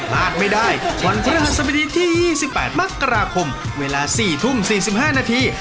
พลาดไม่ได้วันพระรหัสบดีที่๒๘มกราคมเวลา๔ทุ่ม๔๕นาที